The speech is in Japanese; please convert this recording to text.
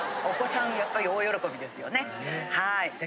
お子さんやっぱり大喜びですよねはい。